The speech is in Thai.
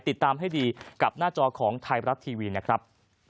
ติดตามให้ดีกับหน้าจอของไทยรัฐทีวีนะครับ